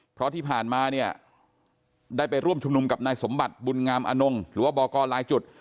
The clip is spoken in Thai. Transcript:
เพราะที่ผ่านมาเนี่ยได้ไปร่วมชุมนุมกับนายสมบัติบุญงามอนงหรือว่าบอกกรลายจุด